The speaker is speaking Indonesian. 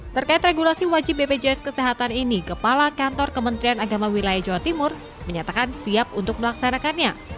terkait regulasi wajib bpjs kesehatan ini kepala kantor kementerian agama wilayah jawa timur menyatakan siap untuk melaksanakannya